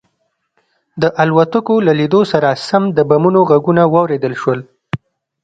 د الوتکو له لیدو سره سم د بمونو غږونه واورېدل شول